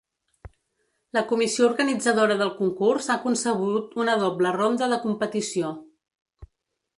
La comissió organitzadora del concurs ha concebut una dobla ronda de competició.